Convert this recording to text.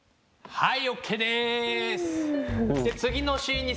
はい。